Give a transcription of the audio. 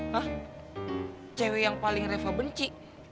hah cewek yang paling revo benci